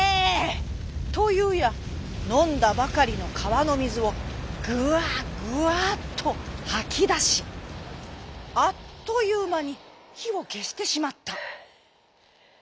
というやのんだばかりのかわのみずをグワグワっとはきだしあっというまにひをけしてしまった。